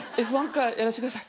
カーやらせてください。